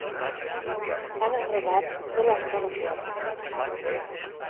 Han enramat tot l'altar de flors.